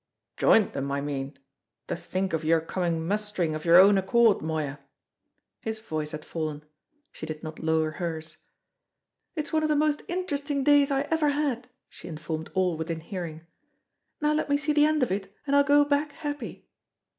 "Joined them, I mean. To think of your coming mustering of your own accord, Moya!" His voice had fallen; she did not lower hers. "It's one of the most interesting days I ever had," she informed all within hearing; "now let me see the end of it, and I'll go back happy."